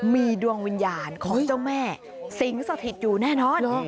มีดวงวิญญาณของเจ้าแม่สิงสถิตอยู่แน่นอน